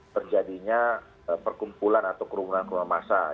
terjadinya perkumpulan atau kerumunan kerumunan masa